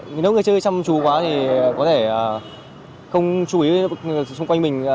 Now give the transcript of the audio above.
nếu người chơi chăm chú quá thì có thể không chú ý với người xung quanh mình